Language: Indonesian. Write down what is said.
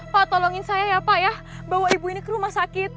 pak tolongin saya ya pak ya bawa ibu ini ke rumah sakit